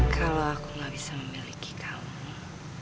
kalau aku gak bisa memiliki kamu